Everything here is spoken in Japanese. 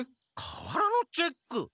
かわらのチェック？